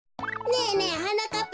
ねえねえはなかっ